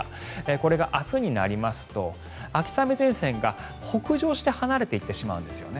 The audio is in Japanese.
これが明日になりますと秋雨前線が北上して離れていってしまうんですよね。